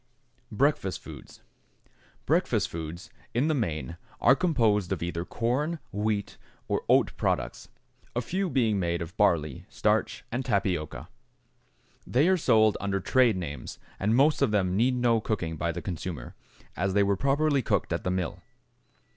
=Breakfast Foods.= Breakfast foods in the main are composed of either corn, wheat, or oat products, a few being made of barley, starch, and tapioca. They are sold under trade names, and most of them need no cooking by the consumer, as they were properly cooked at the mill.